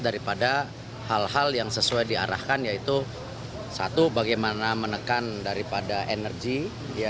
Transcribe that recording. daripada hal hal yang sesuai diarahkan yaitu satu bagaimana menekan daripada energi